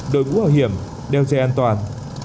đối mũ hảo hiểm đeo dây an toàn